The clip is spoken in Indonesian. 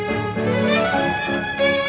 aku mau denger